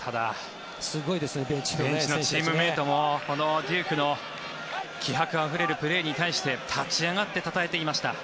ベンチのチームメートもこのデュークの気迫あふれるプレーに対して立ち上がってたたえていました。